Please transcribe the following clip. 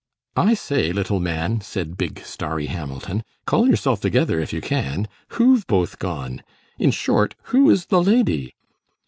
"I say, little man," said big Starry Hamilton, "call yourself together if you can. Who've both gone? In short, who is the lady?"